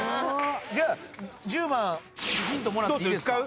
じゃあ１０番ヒントもらっていいですか？